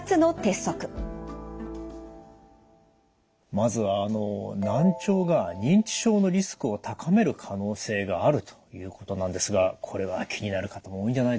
まずは難聴が認知症のリスクを高める可能性があるということなんですがこれは気になる方も多いんじゃないでしょうか。